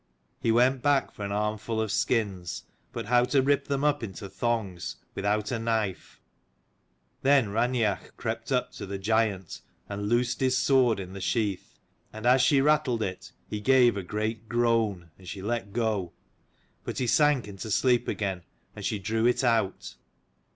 He went back for an armful of skins: but how to rip them up into thongs 139 without a knife? Then Raineach crept up to the giant, and loosed his sword in the sheath: and as she rattled it, he gave a great groan : and she let go. But he sank into sleep again, and she drew it out.